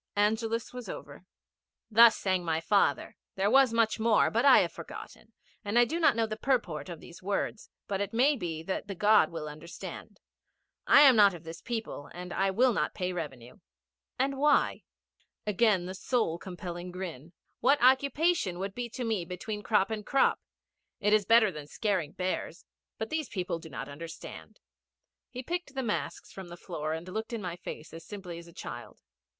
Angelus was over. 'Thus my father sang. There was much more, but I have forgotten, and I do not know the purport of these words, but it may be that the God will understand. I am not of this people, and I will not pay revenue.' 'And why?' Again that soul compelling grin. 'What occupation would be to me between crop and crop? It is better than scaring bears. But these people do not understand.' He picked the masks from the floor, and looked in my face as simply as a child.